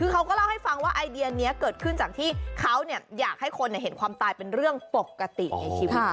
คือเขาก็เล่าให้ฟังว่าไอเดียนี้เกิดขึ้นจากที่เขาอยากให้คนเห็นความตายเป็นเรื่องปกติในชีวิต